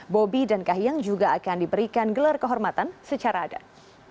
bobi dan kahiyang juga akan diberikan gelar kehormatan secara adat